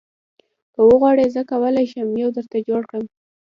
که وغواړې زه کولی شم یو درته جوړ کړم